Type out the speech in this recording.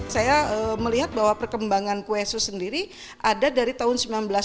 saya melihat bahwa perkembangan kue sus sendiri ada dari tahun seribu sembilan ratus delapan belas